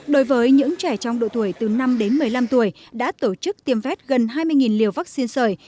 đối với những trẻ trong độ tuổi từ năm đến một mươi năm tuổi đã tổ chức tiêm vét gần hai mươi liều vaccine sởi